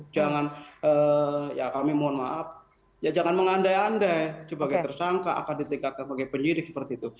jangan ya kami mohon maaf ya jangan mengandai andai sebagai tersangka akan ditingkatkan sebagai penyidik seperti itu